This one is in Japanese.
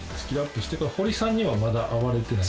ホリさんにはまだ会われてない？